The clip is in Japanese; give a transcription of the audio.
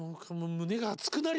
胸が熱くなる？